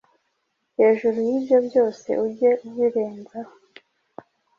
Hejuru y’ibyo byose ujye ubirenzaho